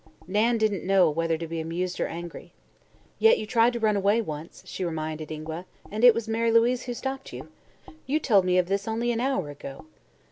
Nan didn't know whether to be amused or angry. "Yet you tried to run away once," she reminded Ingua, "and it was Mary Louise who stopped you. You told me of this only an hour ago.